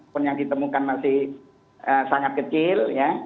pun yang ditemukan masih sangat kecil